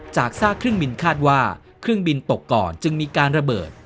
ซากเครื่องบินคาดว่าเครื่องบินตกก่อนจึงมีการระเบิด